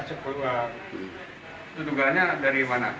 itu tugasnya dari mana